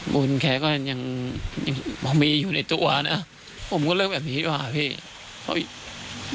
บุญแกก็ยังยังมีอยู่ในตัวนะผมก็เลือกแบบนี้ดีกว่าพี่